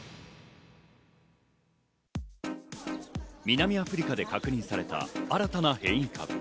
南アフリカで確認された新たな変異株。